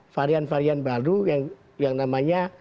varian varian baru yang namanya